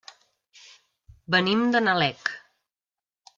Venim de Nalec.